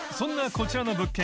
こちらの物件